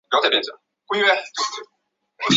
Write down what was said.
舍诺夫人口变化图示